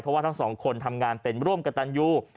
เพราะว่าทั้งสองคนทำงานเป็นร่วมกับตันยู